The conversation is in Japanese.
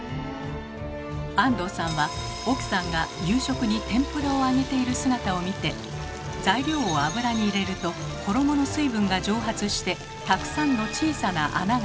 安藤さんは奥さんが夕食に天ぷらを揚げている姿を見て材料を油に入れると衣の水分が蒸発してたくさんの小さな穴が開く。